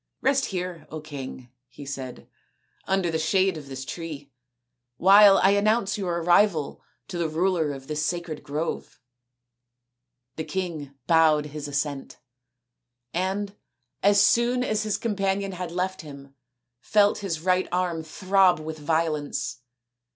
" Rest .here, King/' he said, " under the shade of this tree, while I announce your arrival to the ruler of this sacred grove/' The king bowed assent, and as soon as his companion had left him felt his right arm throb with violence.